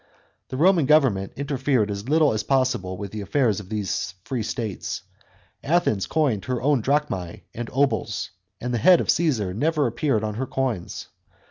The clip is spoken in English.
The Roman government interfered as little as possible with the affairs of these free states. Athens coined her own drachmae and obols, and the head of Caesar never appeared on her coins.